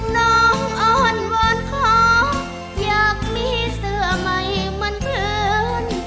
น้องอ้อนวอนขออยากมีเสื้อใหม่เหมือนเพลิน